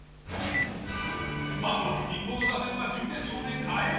まずは日本の打線は準決勝で変えるのか？